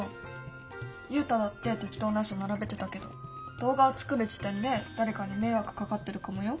ユウタだって適当なうそ並べてたけど動画を作る時点で誰かに迷惑かかってるかもよ？